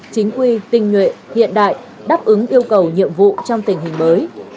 chính quy tinh nhuệ hiện đại đáp ứng yêu cầu nhiệm vụ trong tình hình mới